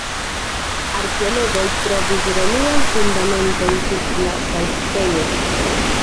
Arkeologoj trovis romian fundamenton sub la sanktejo.